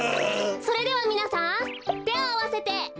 それではみなさんてをあわせて。